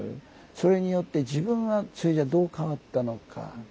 それによって自分はそれじゃどう変わったのか？